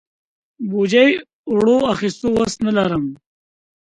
بوجۍ اوړو اخستلو وس نه لرم.